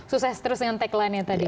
sukses terus dengan tagline nya tadi